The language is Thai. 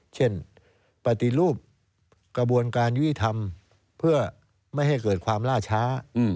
ปฏิรูปกระบวนการยุติธรรมเพื่อไม่ให้เกิดความล่าช้า